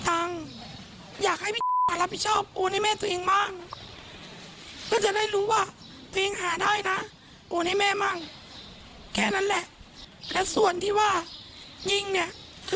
เขาเลยพูดว่ามึงเอาไปเลยมึงอยากได้มึงเอาไปเลย